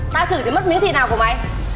tao chửi thì mất miếng thịt nào của mày